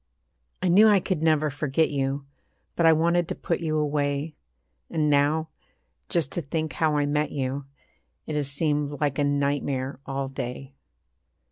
I knew I could never forget you; But I wanted to put you away. And now, just to think how I met you It has seemed like a nightmare all day.